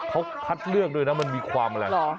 เขาคัดเลือกด้วยนะมันมีความอะไร